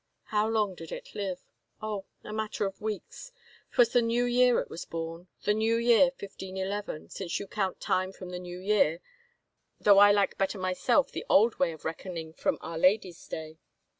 ... How long did it live? Oh, a matter of weeks. 'Twas the New Year it was bom — the New Year 151 1, since you count time from the New Year, though I like better myself the old way of reckoning from our Lady's Day.